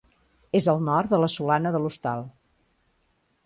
És al nord de la Solana de l'Hostal.